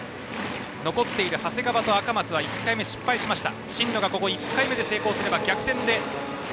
残っている長谷川と赤松は１回目、失敗しました。